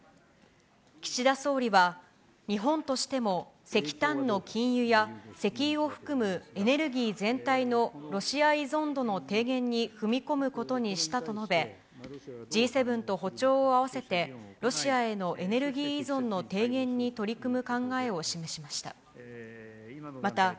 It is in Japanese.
岸田総理は、日本としても石炭の禁輸や石油を含むエネルギー全体のロシア依存度の低減に踏み込むことにしたと述べ、Ｇ７と歩調を合わせて、ロシアへのエネルギー依存の低減に取り組む考えを示しました。